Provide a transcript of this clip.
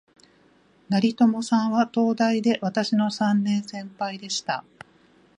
成友さんは、東大で私の三年先輩でした